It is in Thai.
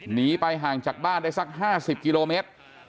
หนีไปห่างจากบ้านได้สัก๕๐กิโลเมตร